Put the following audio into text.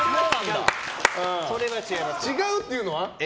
違うというのは？